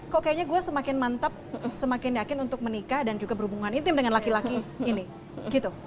kok kayaknya gue semakin mantap semakin yakin untuk menikah dan juga berhubungan intim dengan laki laki ini gitu